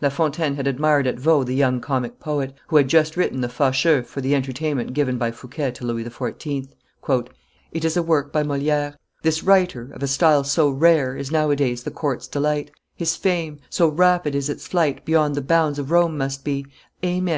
La Fontaine had admired at Vaux the young comic poet, who had just written the Facheux for the entertainment given by Fouquet to Louis XIV.: "It is a work by Moliere; This writer, of a style so rare, Is nowadays the court's delight His fame, so rapid is its flight, Beyond the bounds of Rome must be: Amen!